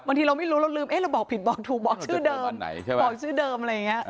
บางทีเราไม่รู้เราลืมเราบอกผิดบอกถูกบอกชื่อเดิมบอกชื่อเดิมอะไรอย่างนี้